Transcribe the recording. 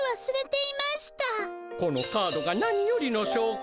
このカードが何よりのしょうこ。